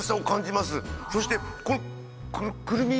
そしてこのくるみ。